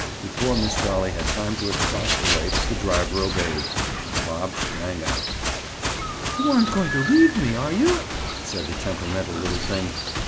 Before Miss Dolly had time to expostulate, the driver obeyed. Bob sprang out. "You aren't going to leave me, are you?" said the temperamental little thing.